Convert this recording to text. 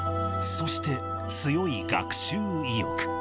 そして、強い学習意欲。